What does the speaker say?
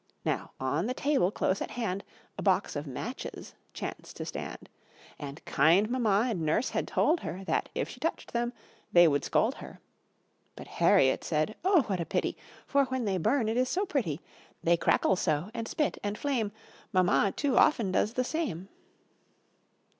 Now, on the table close at hand, A box of matches chanced to stand; And kind Mamma and Nurse had told her, That, if she touched them, they would scold her. But Harriet said: "Oh, what a pity! For, when they burn, it is so pretty; They crackle so, and spit, and flame: Mamma, too, often does the same."